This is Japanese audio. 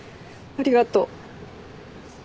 ありがとう。